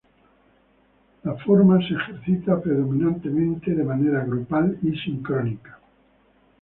La forma se ejercita predominantemente de manera grupal y sincrónica.